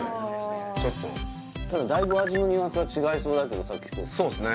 ただだいぶ味のニュアンスが違いそうだけどさっきとそうっすね